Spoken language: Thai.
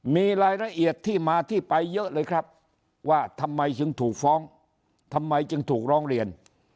มีรายละเอียดที่มาที่ไปเยอะเลยครับว่าทำไมจึงถูกฟ้องทำไมจึงถูกร้องเรียน